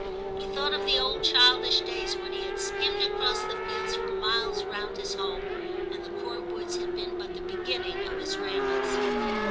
He thought of the old childish days when he had skimmed across the fields for miles round his home, and the Court woods had been but the beginning of his rambles.